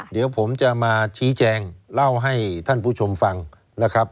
เดี๋ยวผมจะมาชี้แจงเล่าให้ท่านผู้ชมฟังนะครับ